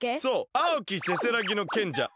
あおきせせらぎのけんじゃマイカよ。